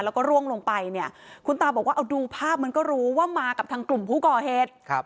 แล้วก็ร่วงลงไปเนี่ยคุณตาบอกว่าเอาดูภาพมันก็รู้ว่ามากับทางกลุ่มผู้ก่อเหตุ